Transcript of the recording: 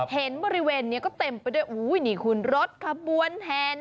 เห็นบริเวณนี้ก็เต็มไปด้วยอู้วอันนี้คุณรถกระบวนแหน่ง